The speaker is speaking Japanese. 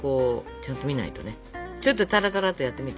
ちょっとタラタラっとやってみて。